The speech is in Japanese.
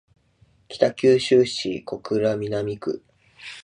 北九州市小倉南区